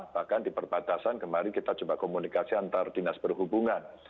bahkan di perbatasan kemarin kita coba komunikasi antar dinas perhubungan